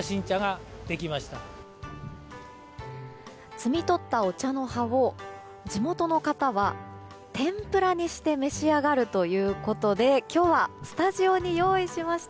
摘み取ったお茶の葉を地元の方は天ぷらにして召し上がるということで今日はスタジオに用意しました。